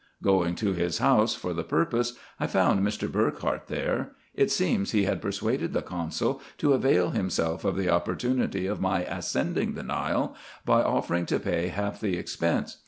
Going to his house for the purpose, I found Mr. Burckhardt there : it seems he had persuaded the consul to avail himself of the oppor tunity of my ascending the Nile, by offering to pay half the expense.